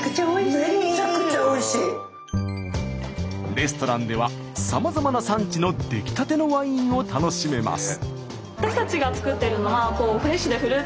レストランではさまざまな産地のできたてのワインを楽しめます。